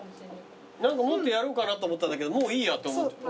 もっとやろうかなと思ったんだけどもういいやと思っちゃった。